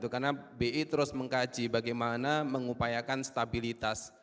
karena bi terus mengkaji bagaimana mengupayakan stabilitas